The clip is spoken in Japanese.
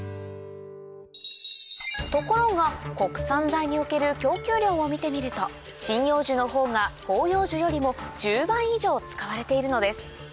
ところが国産材における供給量を見てみると針葉樹の方が広葉樹よりも１０倍以上使われているのです